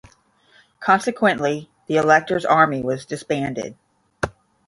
Consequently, the Elector's army was disbanded.